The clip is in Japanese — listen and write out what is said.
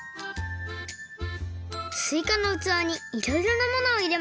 すいかのうつわにいろいろなものをいれます。